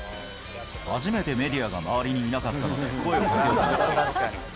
初めてメディアが周りにいなかったんで、声をかけようと思ったんだ。